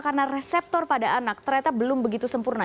karena reseptor pada anak ternyata belum begitu sempurna